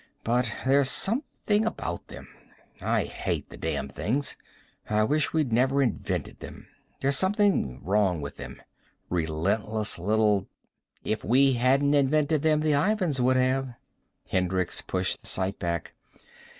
But there's something about them. I hate the damn things. I wish we'd never invented them. There's something wrong with them. Relentless little " "If we hadn't invented them, the Ivans would have." Hendricks pushed the sight back.